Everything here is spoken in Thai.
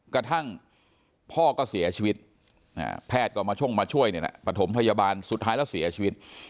กระทั่งพ่อก็เสียชีวิตแพทย์ก็มาช่งมาช่วยนี่แหละปฐมพยาบาลสุดท้ายแล้วเสียชีวิต